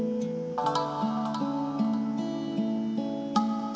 ああ。